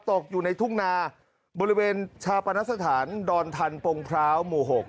ตกอยู่ในทุ่งนาบริเวณชาปนสถานดอนทันปงพร้าวหมู่๖